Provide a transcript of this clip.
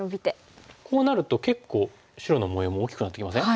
こうなると結構白の模様も大きくなってきません？